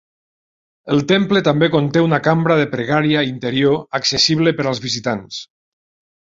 El temple també conté una cambra de pregària interior, accessible per als visitants.